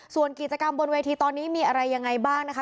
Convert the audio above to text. ส่วนกิจกรรมบนเวทีตอนนี้มีอะไรยังไงบ้างนะคะ